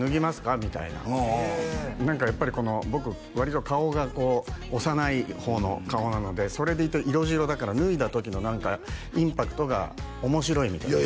みたいな何かやっぱり僕割と顔が幼い方の顔なのでそれでいて色白だから脱いだ時の何かインパクトが面白いみたいですね